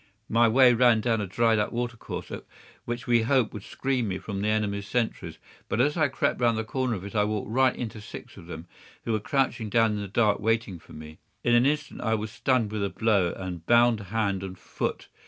"My way ran down a dried up watercourse, which we hoped would screen me from the enemy's sentries; but as I crept round the corner of it I walked right into six of them, who were crouching down in the dark waiting for me. In an instant I was stunned with a blow and bound hand and foot.